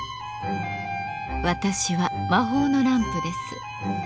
私は魔法のランプです。